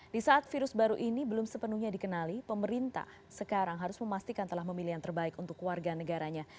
di saat virus baru ini belum sepenuhnya dikenali pemerintah sekarang harus memastikan telah memilih yang terbaik untuk warga negaranya